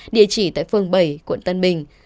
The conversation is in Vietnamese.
tại phương bảy quận tân bình